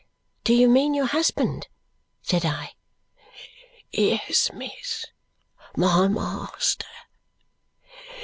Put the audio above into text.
"Do you mean your husband?" said I. "Yes, miss, my master.